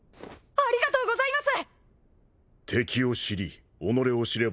ありがとうございます。